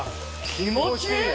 気持ちいい。